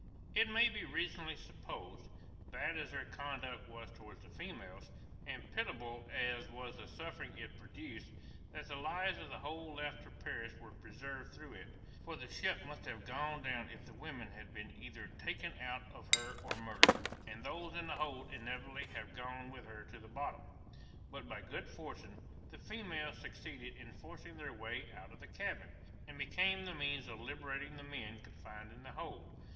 _] It may be reasonably supposed, bad as their conduct was towards the females, and pitiable as was the suffering it produced, that the lives of the whole left to perish were preserved through it; for the ship must have gone down if the women had been either taken out of her or murdered, and those in the hold inevitably have gone with her to the bottom. But by good fortune, the females succeeded in forcing their way out of the cabin, and became the means of liberating the men confined in the hold.